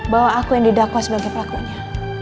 bahwa aku yang didakwa sebagai pelakunya